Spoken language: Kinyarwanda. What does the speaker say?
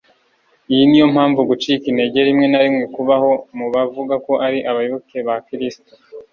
Iyi niyo mpamvu gucika intege rimwe na rimwe kubaho mu bavuga ko ari abayoboke ba Kristo